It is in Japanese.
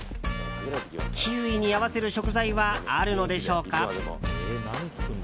キウイに合わせる食材はあるのでしょうか？